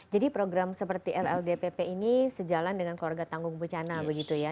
jadi program seperti lldpp ini sejalan dengan keluarga tanggung pucana begitu ya